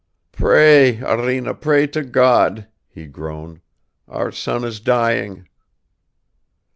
"Pray, Arina, pray to God!" he groaned. "Our son is dying."